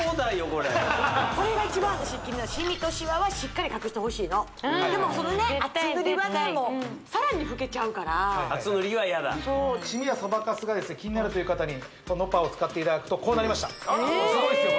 これこれが一番私気になるシミとシワはしっかり隠してほしいのでも厚塗りはねさらに老けちゃうから厚塗りは嫌だそうシミやそばかすが気になるという方にｎｏｐａを使っていただくとこうなりましたすごいですよ